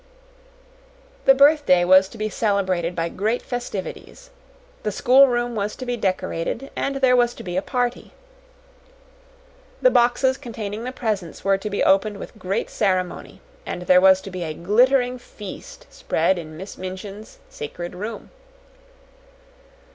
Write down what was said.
The birthday was to be celebrated by great festivities. The schoolroom was to be decorated, and there was to be a party. The boxes containing the presents were to be opened with great ceremony, and there was to be a glittering feast spread in Miss Minchin's sacred room.